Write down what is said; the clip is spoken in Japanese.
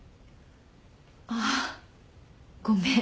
あっごめん。